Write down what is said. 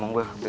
yang ini atas